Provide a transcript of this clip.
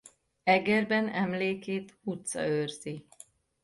Egerben emlékét utca őrzi.